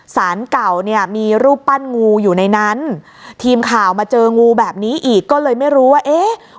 สารเก่าเนี่ยมีรูปปั้นงูอยู่ในนั้นทีมข่าวมาเจองูแบบนี้อีกก็เลยไม่รู้ว่าเอ๊ะ